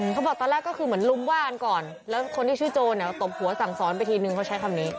เขาบอกตอนแรกก็คือเหมือนลุมว่ากันก่อนแล้วคนที่ชื่อโจรตบหัวสั่งสอนไปทีนึงเขาใช้คำนี้